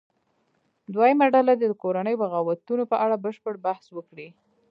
دویمه ډله دې د کورنیو بغاوتونو په اړه بشپړ بحث وکړي.